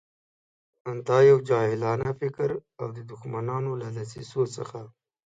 دا یو جاهلانه فکر او د دښمنانو له دسیسو څخه.